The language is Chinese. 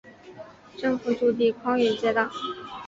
政府驻地匡远街道。